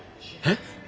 えっ？